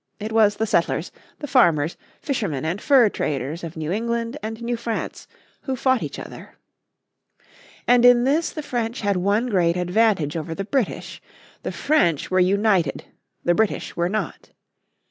It was the settlers, the farmers, fishermen and fur traders of New England and New France who fought each other. And in this the French had one great advantage over the British. The French were united, the British were not.